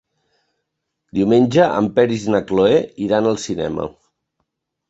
Diumenge en Peris i na Cloè iran al cinema.